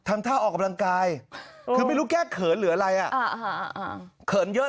ทำท่าออกกำลังกายคือไม่รู้แก้เขินหรืออะไรเอ่ยอะแหะเอ่อเกินเยอะ